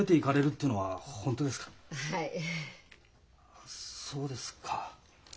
あっそうですか。